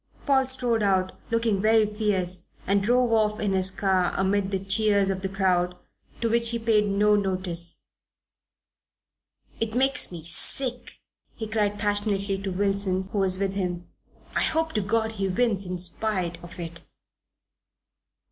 Paul strode out, looking very fierce, and drove off in his car amid the cheers of the crowd, to which he paid no notice. "It makes me sick!" he cried passionately to Wilson, who was with him. "I hope to God he wins in spite, of it!"